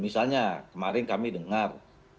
misalnya kemarin kami dengar